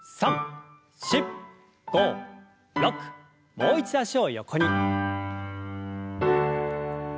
もう一度脚を横に。